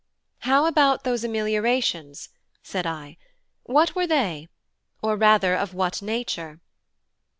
"How about those ameliorations," said I; "what were they? or rather of what nature?"